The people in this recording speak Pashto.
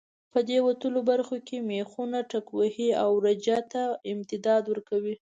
په دې وتلو برخو کې مېخونه ټکوهي او رجه ته امتداد ورکوي.